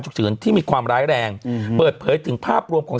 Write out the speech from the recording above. เฉินที่มีความร้ายแรงอืมเปิดเผยถึงภาพรวมของ